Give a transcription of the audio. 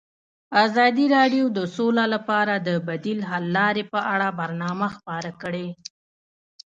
ازادي راډیو د سوله لپاره د بدیل حل لارې په اړه برنامه خپاره کړې.